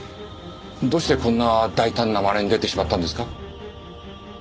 どうしてこんな大胆なまねに出てしまったんですか？